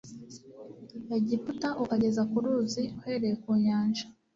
egiputa ukageza ku ruzi uhereye ku nyanja